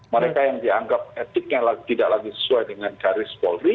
mereka yang dianggap etiknya tidak lagi sesuai dengan garis polri